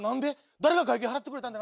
誰が会計払ってくれたんだ」